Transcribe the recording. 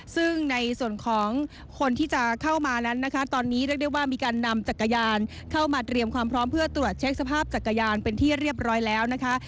ซึ่งในส่วนของคนที่จะเข้ามานั้นนะคะตอนนี้เรียกได้ว่ามีการนำจักรยานเข้ามาเตรียมความพร้อมเพื่อตรวจเช็คสภาพจักรยานเป็นที่เรียบร้อยแล้วนะคะ